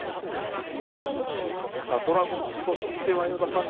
ドラゴンズとしては与田さん